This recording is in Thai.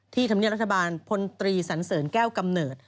ธรรมเนียบรัฐบาลพลตรีสันเสริญแก้วกำเนิด